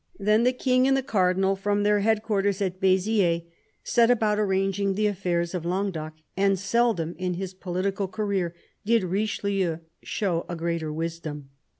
Then the King and the Cardinal, from their head quarters at Beziers, set about arranging the affairs of Languedoc; and seldom, in his political career, did Richelieu show a greater wisdom.